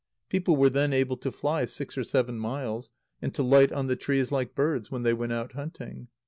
People were then able to fly six or seven miles, and to light on the trees like birds, when they went out hunting.